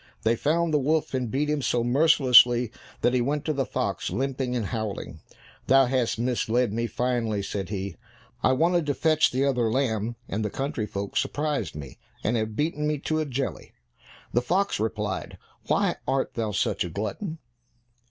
They found the wolf, and beat him so mercilessly, that he went to the fox limping and howling. "Thou hast misled me finely," said he; "I wanted to fetch the other lamb, and the country folks surprised me, and have beaten me to a jelly." The fox replied, "Why art thou such a glutton?"